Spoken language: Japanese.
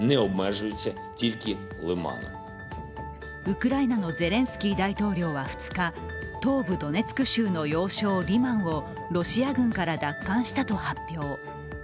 ウクライナのゼレンスキー大統領は２日、東部ドネツク州の要衝リマンをロシア軍から奪還したと発表。